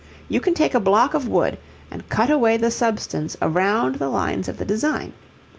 You can take a block of wood and cut away the substance around the lines of the design.